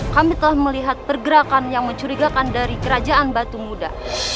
kami telah melihat pergerakan yang mencurigakan dari kerajaan batu muda